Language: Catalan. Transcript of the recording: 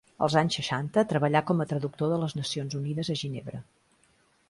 Els anys seixanta treballà com a traductor de les Nacions Unides a Ginebra.